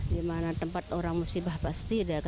dimana tempat orang musibah banyak orang yang berada di luar biasa